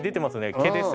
毛ですね。